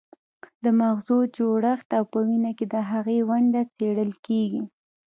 د مغزو جوړښت او په وینا کې د هغې ونډه څیړل کیږي